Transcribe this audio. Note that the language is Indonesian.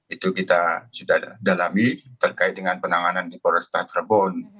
itu kita sudah dalami terkait dengan penanganan di polresta trebon